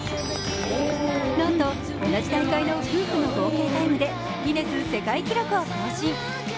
なんと同じ大会の夫婦の合計タイムでギネス世界記録を更新。